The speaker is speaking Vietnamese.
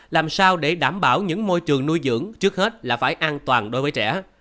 làm sao để đảm bảo những môi trường nuôi dưỡng trước hết là phải an toàn đối với trẻ